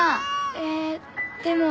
えでも。